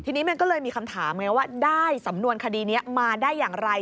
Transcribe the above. ทีนี้มันก็เลยมีคำถามไงว่าได้สำนวนคดีนี้มาได้อย่างไร